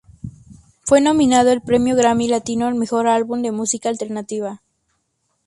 Fue nominado al Premio Grammy Latino al Mejor Álbum de Música Alternativa.